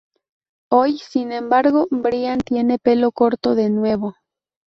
Hoy, sin embargo, Brian tiene pelo corto de nuevo.